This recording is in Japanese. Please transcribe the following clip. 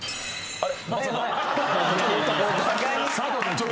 あれ！？